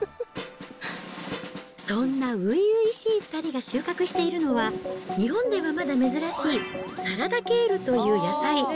そんな初々しい２人が収穫しているのは、日本ではまだ珍しい、サラダケールという野菜。